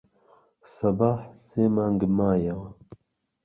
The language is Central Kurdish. سەباح سێ مانگ مایەوە.